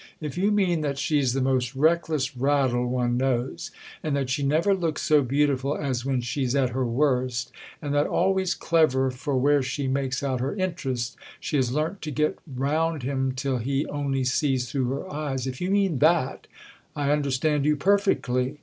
"If you mean that she's the most reckless rattle one knows, and that she never looks so beautiful as when she's at her worst, and that, always clever for where she makes out her interest, she has learnt to 'get round' him till he only sees through her eyes—if you mean that I understand you perfectly.